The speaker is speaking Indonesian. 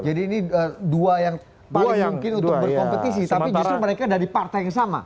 jadi ini dua yang paling mungkin untuk berkompetisi tapi justru mereka dari partai yang sama